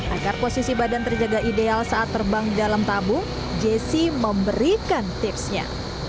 agar posisi badan terjaga ideal saat terbang di dalam tabung jessee memberikan tipsnya